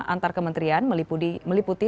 antar kementerian meliputi